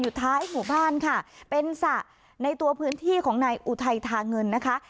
ท้ายหมู่บ้านค่ะเป็นสระในตัวพื้นที่ของนายอุทัยธาเงินนะคะ